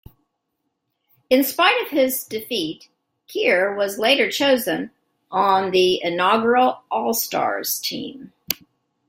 In spite of this defeat, Keher was later chosen on the inaugural All-Stars team.